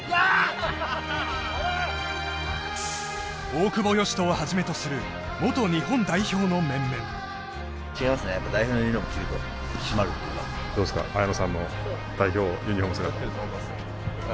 大久保嘉人をはじめとする元日本代表の面々どうですか綾野さんの代表ユニフォーム